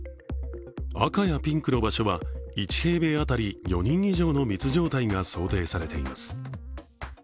赤やピンクの場所は１平米当たり４人以上の密状態が想定されています。